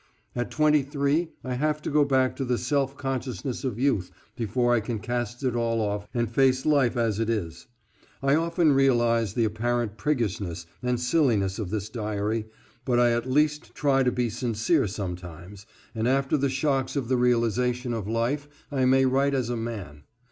At twenty three I have to go back to the self consciousness of youth before I can cast it all off and face life as it is. I often realize the apparent priggishness and silliness of this diary, but I at least try to be sincere sometimes, and after the shocks of the realization of life I may write as a man.